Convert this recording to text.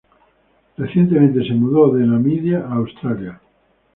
Recientemente se mudó de Namibia a Australia.